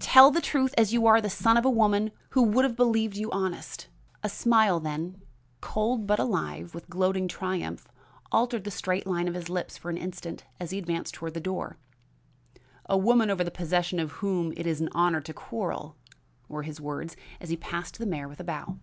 tell the truth as you are the son of a woman you would have us believe honest." A smile then, cold but alive with gloating triumph, altered the straight line of his lips for an instant as he advanced toward the door. "A woman over the possession of whom it is an honor to quarrel!" were his words as he passed the mayor with a bow.